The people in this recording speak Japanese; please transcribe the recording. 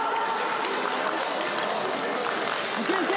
いけいけ！